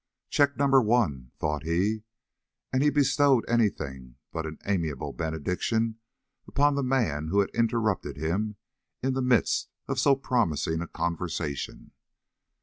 "Check number one," thought he; and he bestowed any thing but an amiable benediction upon the man who had interrupted him in the midst of so promising a conversation.